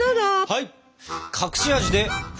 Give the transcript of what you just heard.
はい！